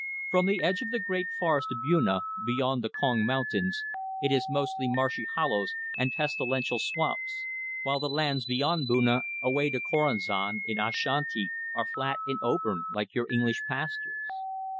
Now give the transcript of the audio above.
From the edge of the Great Forest to Buna, beyond the Kong mountains, it is mostly marshy hollows and pestilential swamps, while the lands beyond Buna away to Koranza, in Ashanti, are flat and open like your English pastures.